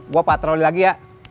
gue patroli lagi ya